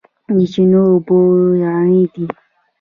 د چینو اوبه رڼې دي